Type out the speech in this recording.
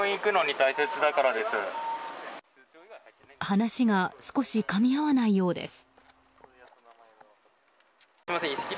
話が少しかみ合わないようです。